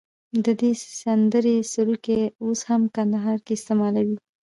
د دې سندرې سروکي اوس هم کندهار کې استعمالوي.